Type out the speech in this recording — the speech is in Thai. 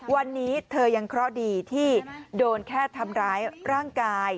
วันนี้เธอยังเคราะห์ดีที่โดนแค่ทำร้ายร่างกาย